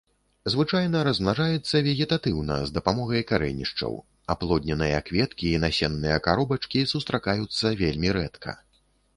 Звычайна размнажаецца вегетатыўна з дапамогай карэнішчаў, аплодненыя кветкі і насенныя каробачкі сустракаюцца вельмі рэдка.